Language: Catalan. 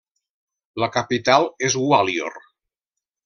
La capital és Gwalior.